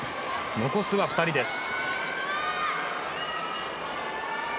残すは２人です。